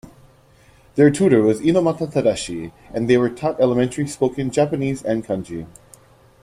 Their tutor was Inomata Tadashi, and they were taught elementary spoken Japanese and kanji.